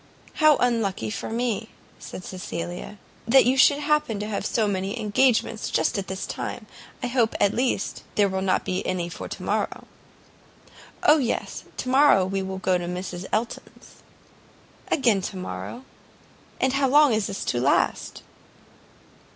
"How unlucky for me," said Cecilia, "that you should happen to have so many engagements just at this time! I hope, at least, there will not be any for to morrow." "O yes; to morrow we go to Mrs Elton's." "Again to morrow? and how long is this to last?"